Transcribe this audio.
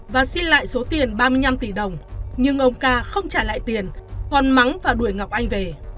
và xin lại số tiền ba mươi năm tỷ đồng nhưng ông ca không trả lại tiền hoàn mắng và đuổi ngọc anh về